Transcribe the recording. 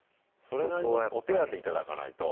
それなりのお手当頂かないと。